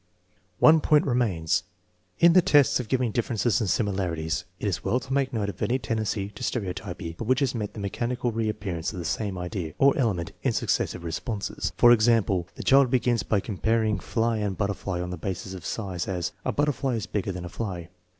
One point remains. In the tests of giving differences and similarities, it is well to make note of any tendency to stereotypy, by which is meant the mechanical reappearance of the same idea, or element, in successive responses. For example, the child begins by comparing fly and butterfly on the basis of size; as, " A butterfly is bigger than a fly."